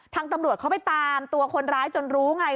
ตำรวจเขาไปตามตัวคนร้ายจนรู้ไง